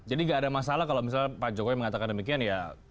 jadi tidak ada masalah kalau misalnya pak jokowi mengatakan demikian ya